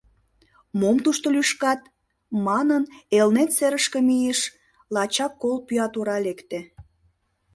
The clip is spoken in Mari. «Мом тушто лӱшкат?» — манын, Элнет серышке мийыш, лачак кол пӱя тура лекте.